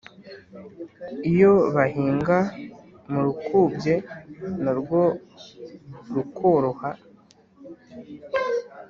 Iyo bahinga mu Rukubye, na rwo rukoroha